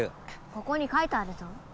ここに書いてあるぞ。